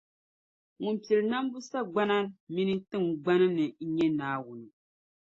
Ŋun pili nambu sagbana mini tiŋgbani ni, n nyɛ Naawuni.